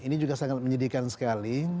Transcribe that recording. ini juga sangat menyedihkan sekali